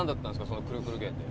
そのくるくる軒って。